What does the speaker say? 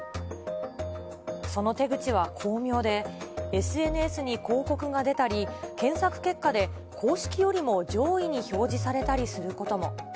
その手口は巧妙で、ＳＮＳに広告が出たり、検索結果で公式よりも上位に表示されたりすることも。